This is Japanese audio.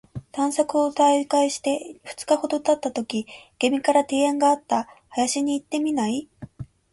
探索を再開して二日ほど経ったとき、君から提案があった。「林に行ってみない？」